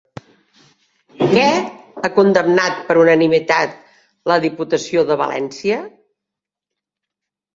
Què ha condemnat per unanimitat la Diputació de València?